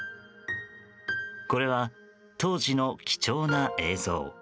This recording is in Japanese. これは当時の貴重な映像。